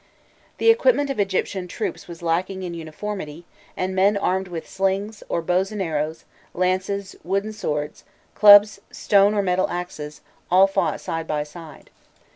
The equipment of Egyptian troops was lacking in uniformity, and men armed with slings, or bows and arrows, lances, wooden swords, clubs, stone or metal axes, all fought side by side.